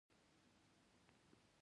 آیا د سړو خونو جوړول روان دي؟